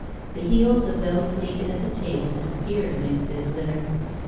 The heels of those seated at the table disappeared amidst this litter.